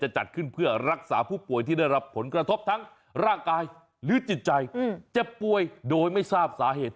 จัดขึ้นเพื่อรักษาผู้ป่วยที่ได้รับผลกระทบทั้งร่างกายหรือจิตใจเจ็บป่วยโดยไม่ทราบสาเหตุ